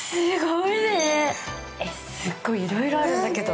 すごいいろいろあるんだけど。